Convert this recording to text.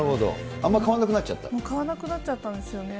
あんま買わなくな買わなくなっちゃったんです